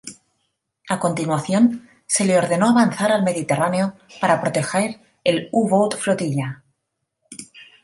A continuación, se le ordenó avanzar al Mediterráneo para proteger el "U-boat Flotilla".